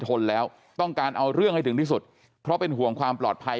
ทนแล้วต้องการเอาเรื่องให้ถึงที่สุดเพราะเป็นห่วงความปลอดภัย